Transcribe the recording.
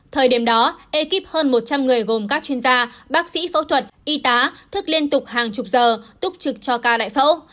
thời điểm đó ekip hơn một trăm linh người gồm các chuyên gia bác sĩ phẫu thuật y tá thức liên tục hàng chục giờ túc trực cho ca lại phẫu